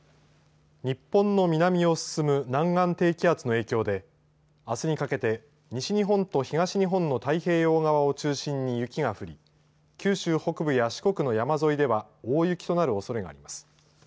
日本の南を進む南岸低気圧の影響であすにかけて西日本と東日本の太平洋側を中心に雪が降り九州北部や四国の山沿いでは大雪となるおそれがあります。